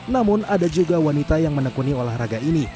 namun ada juga wanita yang menekuni olahraga ini